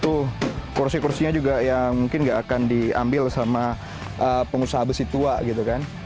tuh kursi kursinya juga yang mungkin gak akan diambil sama pengusaha besi tua gitu kan